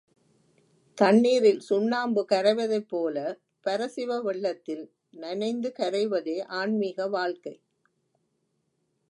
தண்ணிரில் சுண்ணாம்பு கரைவதைப்போல பரசிவ வெள்ளத்தில் நனைந்து கரைவதே ஆன்மீக வாழ்க்கை.